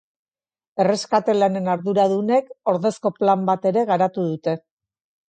Erreskate lanen arduradunek ordezko plan bat ere garatu dute.